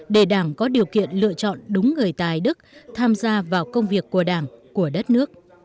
để đảng có điều kiện lựa chọn đúng người tài đức tham gia vào công việc của đảng của đất nước